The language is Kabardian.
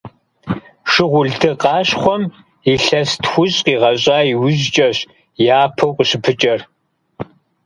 Шыгъулды къащхъуэм илъэс тхущӀ къигъэщӀа иужькӀэщ япэу къыщыпыкӀэр.